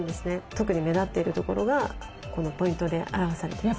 特に目立っているところがこのポイントで表されています。